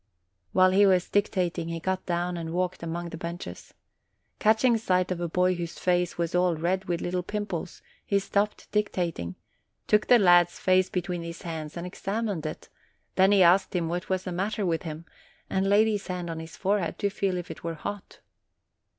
While he was dictating, he got down and walked among the benches. Catching sight of a boy whose face was all red with little pimples, he stopped dictating, took the lad's face between his hands and examined it ; then he asked him what was the matter with him, and laid his hand on his forehead, to feel if it were hot.